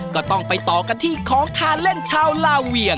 ก็ต้องไปต่อกันที่ของทานเล่นชาวลาเวียง